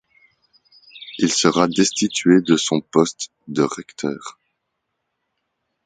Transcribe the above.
Il sera destitué de son poste de recteur.